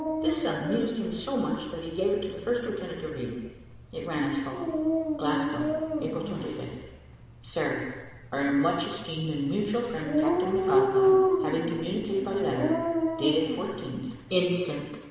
This amused him so much that he gave it to the first lieutenant to read: it ran as follows: "GLASGOW, April 25th, 1 . "Sir, Our much esteemed and mutual friend, Captain McAlpine, having communicated by letter, dated the 14th inst.